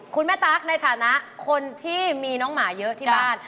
คุณแม่ตั๊กในฐานะคนที่มีน้องหมาเยอะที่บ้าน